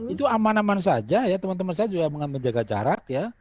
itu aman aman saja ya teman teman saya juga menjaga jarak ya